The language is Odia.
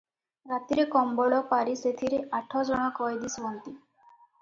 ରାତିରେ କମ୍ବଳ ପାରି ସେଥିରେ ଆଠଜଣ କଏଦୀ ଶୁଅନ୍ତି ।